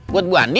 buat bu andin